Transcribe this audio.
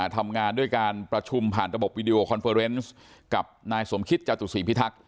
ทำงานด้วยการประชุมผ่านระบบวิดีโอคอนเฟอร์เนส์กับนายสมคิตจตุศรีพิทักษ